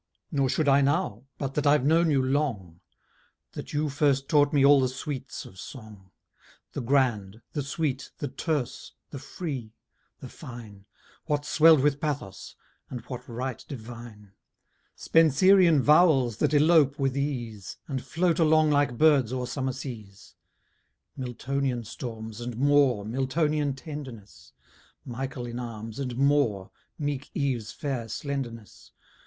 Nor should I now, but that I've known you long; That you first taught me all the sweets of song: The grand, the sweet, the terse, the free, the fine; What swell'd with pathos, and what right divine: Spenserian vowels that elope with ease, And float along like birds o'er summer seas; Miltonian storms, and more, Miltonian tenderness; Michael in arms, and more, meek Eve's fair slenderness.